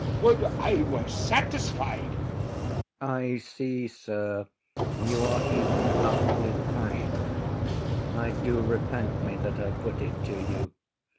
Would I were satisfied! IAGO. I see, sir, you are eaten up with passion. I do repent me that I put it to you.